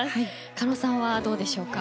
狩野さんはどうでしょうか？